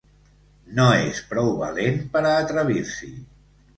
No és prou valent per a atrevir-s'hi.